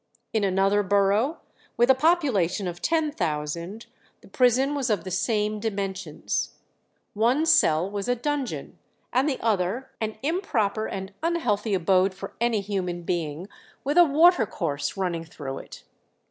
In another borough, with a population of ten thousand, the prison was of the same dimensions. One cell was a dungeon, and the other an "improper and unhealthy abode for any human being," with a watercourse running through it.